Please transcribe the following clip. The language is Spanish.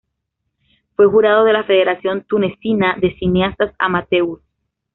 Fue jurado de la Federación Tunecina de Cineastas Amateurs.